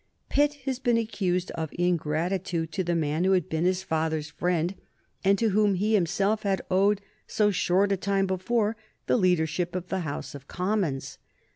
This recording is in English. Pitt has been accused of ingratitude to the man who had been his father's friend and to whom he himself had owed so short a time before the leadership of the House of Commons.